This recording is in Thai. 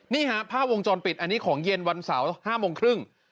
ภาพวงจรปิดอันนี้ของเย็นวันเสาร์๕โมงครึ่ง